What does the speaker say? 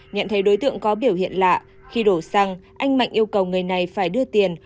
nhận thấy đối tượng có biểu hiện lạ khi đổ xăng anh mạnh yêu cầu người này phải đưa tiền